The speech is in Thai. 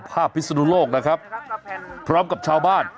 ภาพภิษภาพนี้แล้วก็เพิ่มนะครับพร้อมกับชาวบ้าน